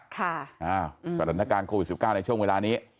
กรรณการโควิด๑๙ในช่วงเวลานี้